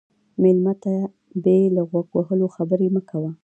مېلمه ته بې له غوږ وهلو خبرې مه کوه.